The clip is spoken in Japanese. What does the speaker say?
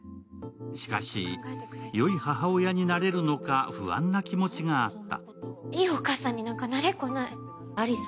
しかし、良い母親になれるのか不安な気持ちがあった。